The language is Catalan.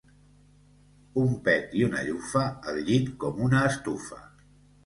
Un pet i una llufa, el llit com una estufa.